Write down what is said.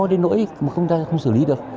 mỗi một công tác không xử lý được